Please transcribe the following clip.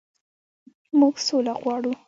موږ سوله غواړو.